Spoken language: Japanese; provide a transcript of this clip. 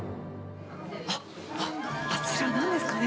あちら、なんですかね。